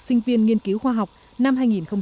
sinh viên nghiên cứu khoa học năm hai nghìn một mươi tám